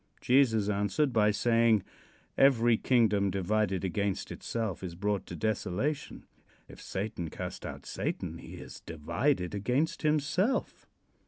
Jesus answered by saying: "Every kingdom divided against itself is brought to desolation. If Satan cast out Satan, he is divided against himself."